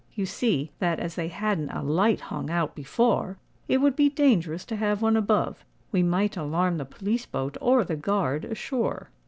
You see, that as they hadn't a light hung out before, it would be dangerous to have one above: we might alarm the police boat or the guard ashore."